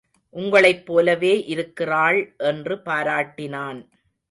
உங்களைப் போலவே இருக்கிறாள் என்று பாராட்டினான்.